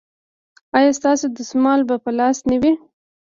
ایا ستاسو دستمال به په لاس نه وي؟